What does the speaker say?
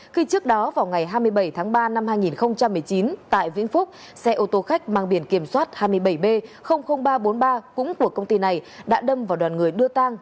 khi trước đó vào ngày hai mươi bảy tháng ba năm hai nghìn một mươi chín tại vĩnh phúc xe ô tô khách mang biển kiểm soát hai mươi bảy b ba trăm bốn mươi ba cũng của công ty này đã đâm vào đoàn người đưa tang